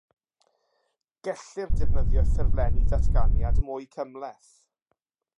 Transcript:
Gellir defnyddio ffurflenni datganiad mwy cymhleth.